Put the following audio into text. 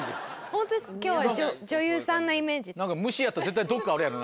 ホントですか今日は一応女優さんのイメージ。